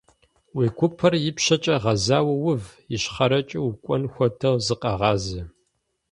Уи гупэр ипщэкӀэ гъэзауэ ув, ищхъэрэкӀэ укӀуэн хуэдэу зыкъэгъазэ.